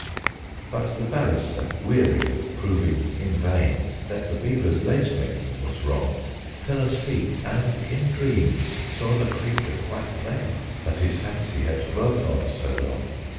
But the Barrister, weary of proving in vain That the Beaver's lace making was wrong, Fell asleep, and in dreams saw the creature quite plain That his fancy had dwelt on so long.